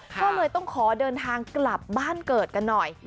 ก็เลยต้องขอเดินทางกลับบ้านเกิดกันหน่อย